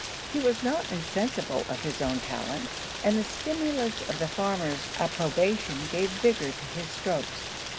He was not insensible of his own talents, and the stimulus of the farmer's approbation gave vigor to his strokes.